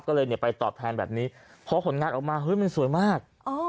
ก็เลยเนี่ยไปตอบแทนแบบนี้พอผลงานออกมาเฮ้ยมันสวยมาก